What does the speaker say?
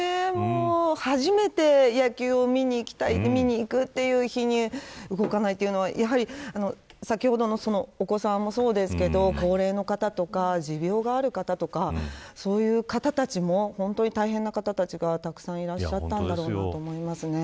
初めて野球を見に行きたい見に行くという日に動かないというのは先ほどのお子さんもそうですけど高齢の方とか持病がある方とかそういう方たちも本当に大変な方たちがたくさんいらっしゃったと思いますね。